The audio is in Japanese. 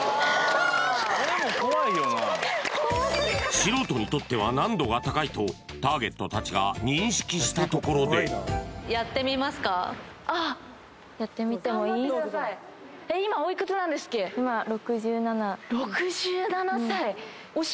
素人にとっては難度が高いとターゲット達が認識したところで頑張ってください